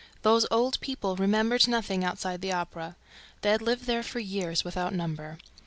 Those old people remembered nothing outside the Opera. They had lived there for years without number.